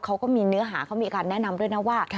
เขาก็มีเนื้อหาเขามีการแนะนำด้วยนะว่า